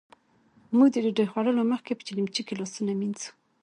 موژ له ډوډۍ خوړلو مخکې په چیلیمچې کې لاسونه مينځو.